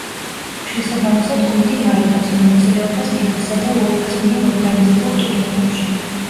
შესაბამისად გუნდი არ იღებს მონაწილეობას ფიფასა და უეფას მიერ ორგანიზებულ ტურნირებში.